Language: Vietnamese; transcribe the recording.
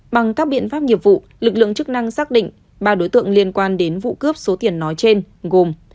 bằng các biện pháp nghiệp vụ lực lượng chức năng xác định ba đối tượng liên quan đến vụ cướp số tiền nói trên gồm